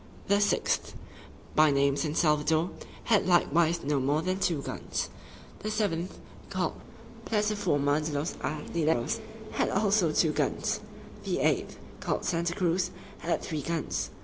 The sixth, by name San Salvador, had likewise no more than two guns. The seventh, called Plattaforma de los Artilleros, had also two guns. The eighth, called Santa Cruz, had three guns.